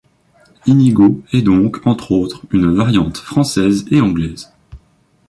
Inigo est donc, entre autres, une variante française et anglaise.